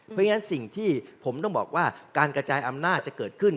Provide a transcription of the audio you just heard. เพราะฉะนั้นสิ่งที่ผมต้องบอกว่าการกระจายอำนาจจะเกิดขึ้น